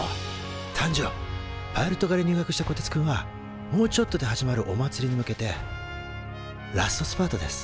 パイロット科に入学したこてつくんはもうちょっとで始まるおまつりに向けてラストスパートです